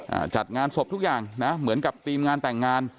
อ่าจัดงานศพทุกอย่างนะเหมือนกับทีมงานแต่งงาน